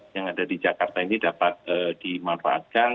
yang ada di jakarta ini dapat dimanfaatkan